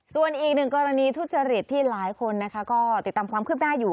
ส่วนอีกหนึ่งกรณีทุจริตที่หลายคนนะคะก็ติดตามความคืบหน้าอยู่